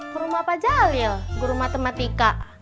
ke rumah pak jalil guru matematika